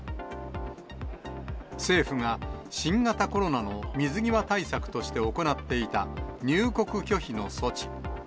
政府が新型コロナの水際対策として行っていた入国拒否の措置。